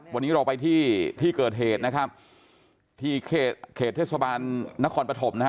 วันนี้เราไปที่ที่เกิดเหตุนะครับที่เขตเทศบาลนครปฐมนะฮะ